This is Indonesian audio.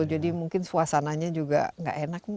jadi mungkin suasananya juga nggak enak